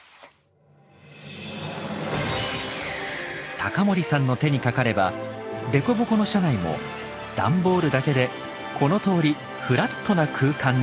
高森さんの手にかかれば凸凹の車内も段ボールだけでこのとおりフラットな空間に。